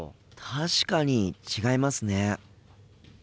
確かに違いますね。